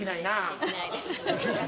できないです。